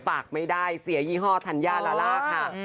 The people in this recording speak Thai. ฝากไม่ได้เสียยี่ห้อธัญญาลาล่าค่ะ